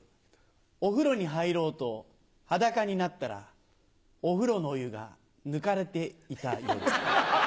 お風呂に入ろうと裸になったらお風呂のお湯が抜かれていた夜。